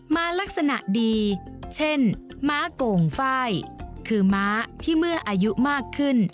ลักษณะดีเช่นม้าโก่งไฟล์คือม้าที่เมื่ออายุมากขึ้น